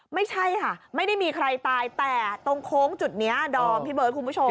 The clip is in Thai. ไม่ใช่ค่ะไม่ได้มีใครตายแต่ตรงโค้งจุดนี้ดอมพี่เบิร์ดคุณผู้ชม